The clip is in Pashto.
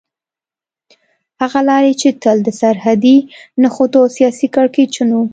هغه لارې چې تل د سرحدي نښتو او سياسي کړکېچونو